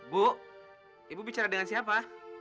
bu ibu bicara dengan siapa